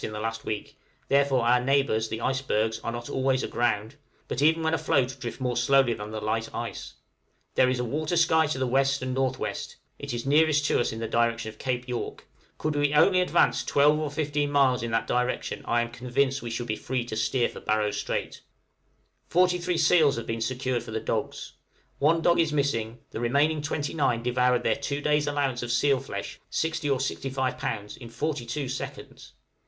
in the last week; therefore our neighbors, the icebergs, are not always aground, but even when afloat drift more slowly than the light ice. There is a water sky to the W. and N.W.; it is nearest to us in the direction of Cape York; could we only advance 12 or 15 miles in that direction, I am convinced we should be free to steer for Barrow Strait. Forty three seals have been secured for the dogs; one dog is missing, the remaining twenty nine devoured their two days' allowance of seal's flesh (60 or 65 lbs.) in forty two seconds!